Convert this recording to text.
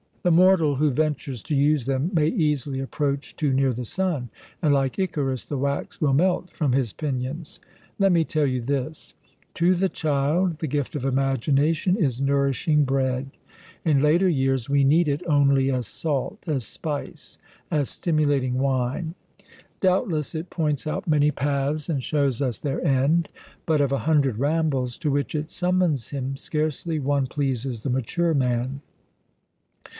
The mortal who ventures to use them may easily approach too near the sun, and, like Icarus, the wax will melt from his pinions. Let me tell you this: To the child the gift of imagination is nourishing bread. In later years we need it only as salt, as spice, as stimulating wine. Doubtless it points out many paths, and shows us their end; but, of a hundred rambles to which it summons him, scarcely one pleases the mature man.